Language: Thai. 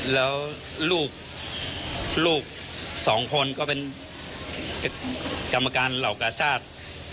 แล้วลูกสองคนก็เป็นกรรมการเหล่ากาชาติ